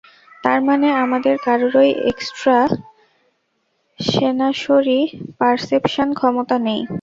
তার মানে, আমাদের কারোরই এক্সটা সেনাসরি পারসেপশান ক্ষমতা নেই।